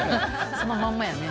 そのまんまやね。